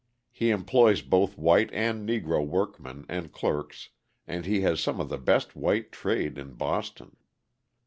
He employs both white and Negro workmen and clerks and he has some of the best white trade in Boston.